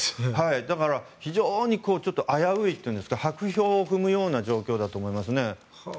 だから非常に危ういというんですか薄氷を踏むような状況だと思いますね。